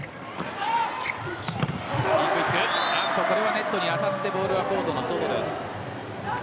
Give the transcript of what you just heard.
これはネットに当たってボールはコートの外です。